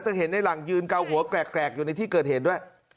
เห็นในหลังยืนเกาหัวแกรกอยู่ในที่เกิดเหตุด้วย